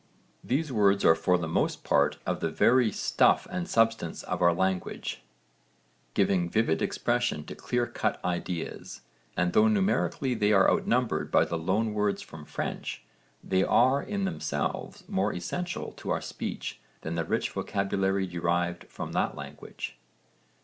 These words are for the most part of the very stuff and substance of our language, giving vivid expression to clear cut ideas, and though numerically they are outnumbered by the loan words from French, they are in themselves more essential to our speech than the rich vocabulary derived from that language.